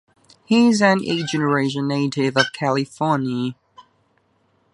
He is an eighth-generation native of California.